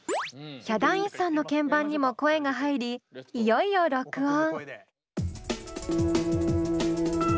ヒャダインさんの鍵盤にも声が入りいよいよ録音。